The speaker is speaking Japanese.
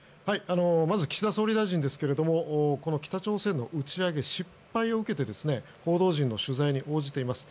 まず岸田総理大臣ですがこの北朝鮮の打ち上げ失敗を受けて報道陣の取材に応じています。